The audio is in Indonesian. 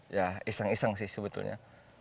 ya iseng iseng sih sebetulnya